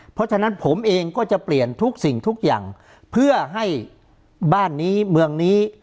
เพราะฉะนั้นผมเองก็จะเปลี่ยนทุกสิ่งทุกอย่างเพื่อให้บ้านนี้เมืองนี้